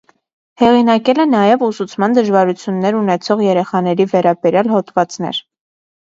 Հեղինակել է նաև ուսուցման դժվարություններ ունեցող երեխաների վերաբերյալ հոդվածներ։